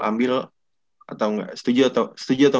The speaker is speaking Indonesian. ambil atau gak setuju atau